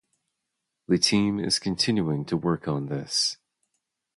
The team is continuing to work on this.